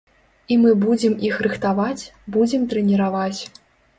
І мы будзем іх рыхтаваць, будзем трэніраваць.